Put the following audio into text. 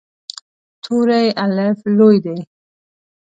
توری “الف” لوی دی.